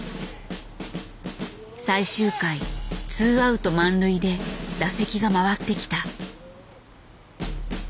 最終回ツーアウト満塁で打席が回ってきた。